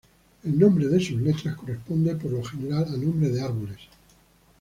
El nombre de sus letras corresponde por lo general a nombres de árboles.